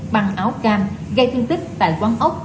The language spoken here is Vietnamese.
băng áo cam gây thiên tích tại quán ốc